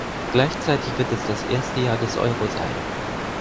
Gleichzeitig wird es das erste Jahr des Euro sein.